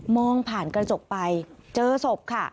ผ่านกระจกไปเจอศพค่ะ